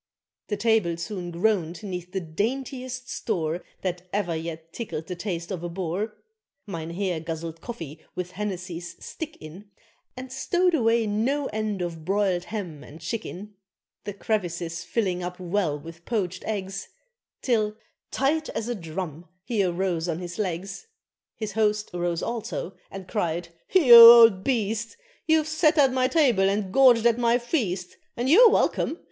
The table soon groaned 'neath the daintiest store That ever yet tickled the taste of a Boer Mynheer guzzled coffee with Hennessy's "stick" in, And stowed away no end of broiled ham and chicken; The crevices filling up well with poached eggs, Till, tight as a drum, he arose on his legs His host arose also and cried, "You old beast! You've sat at my table and gorged at my feast! And you're welcome.